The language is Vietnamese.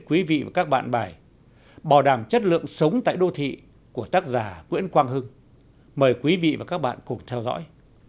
quý vị và các bạn cùng theo dõi